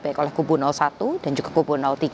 baik oleh kubu satu dan juga kubu tiga